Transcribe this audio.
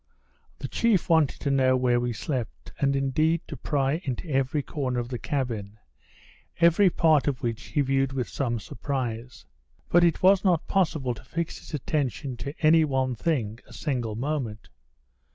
The chief wanted to know where we slept, and indeed to pry into every corner of the cabin, every part of which he viewed with some surprise. But it was not possible to fix his attention to any one thing a single moment.